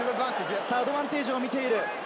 アドバンテージを見ている。